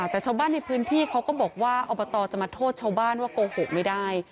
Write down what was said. แต่ชาวบ้านในพื้นที่เขาก็บอกว่าอบตจะมาโทษชาวบ้านว่าโกหกไม่ได้